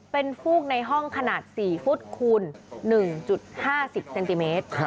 เป็นฟูกในห้องขนาด๔ฟุตคูณ๑๕๐เซนติเมตร